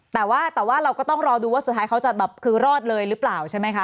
แต่ว่าแต่ว่าเราก็ต้องรอดูว่าสุดท้ายเขาจะแบบคือรอดเลยหรือเปล่าใช่ไหมคะ